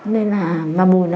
nên là mà mùi nó không ít